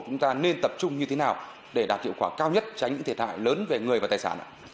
chúng ta nên tập trung như thế nào để đạt hiệu quả cao nhất tránh những thiệt hại lớn về người và tài sản